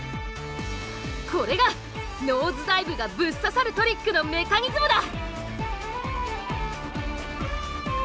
これがノーズダイブがぶっ刺さるトリックのメカニズムだ！